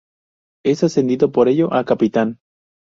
Es ascendido por ello a capitán.